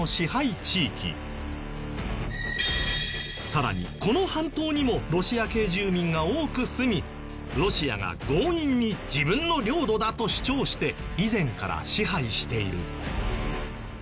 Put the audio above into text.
さらにこの半島にもロシア系住民が多く住みロシアが強引に自分の領土だと主張して以前から支配している。